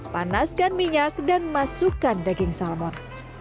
panaskan minyak dan masukkan daging salmon